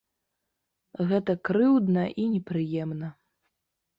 Гэта крыўдна і непрыемна.